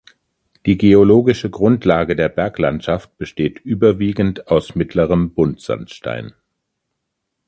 Die geologische Grundlage der Berglandschaft besteht überwiegend aus mittlerem Buntsandstein.